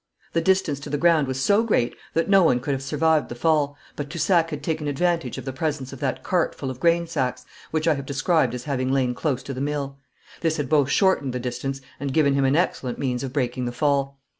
The distance to the ground was so great that no one could have survived the fall, but Toussac had taken advantage of the presence of that cart full of grain sacks, which I have described as having lain close to the mill. This had both shortened the distance and given him an excellent means of breaking the fall.